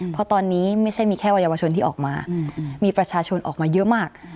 เพราะตอนนี้ไม่ใช่มีแค่วัยวชนที่ออกมามีประชาชนออกมาเยอะมาก